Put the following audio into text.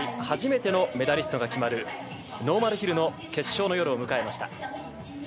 初めてのメダリストが決まるノーマルヒルの決勝の夜です。